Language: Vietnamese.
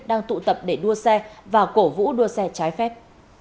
đang tụ tập để đua xe và cổ vũ đua xe trái phép